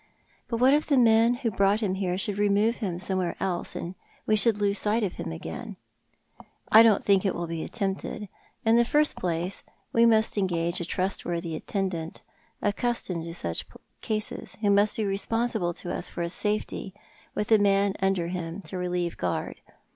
" But what if the men who brought him here should remove him somewhere else, and we should lose sight of him again? "" I don't think that will be attempted. In the first place, we must engage a trustworthy attendant, accustomed to such cases, who must be responsible to us for his safety, with a man under him, to relieve guard.